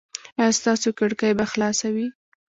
ایا ستاسو کړکۍ به خلاصه وي؟